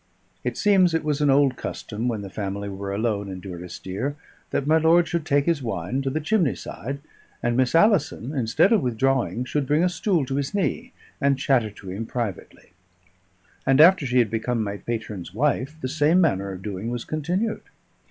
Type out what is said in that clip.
It seems it was an old custom when the family were alone in Durrisdeer, that my lord should take his wine to the chimney side, and Miss Alison, instead of withdrawing, should bring a stool to his knee, and chatter to him privately; and after she had become my patron's wife the same manner of doing was continued.